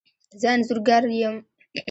زه انځورګر یم